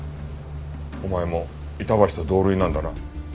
お前も板橋と同類なんだな。